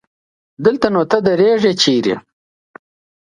دلته نو ته درېږې چېرته؟